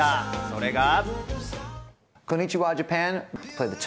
それが。